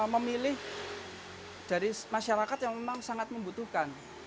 memilih dari masyarakat yang memang sangat membutuhkan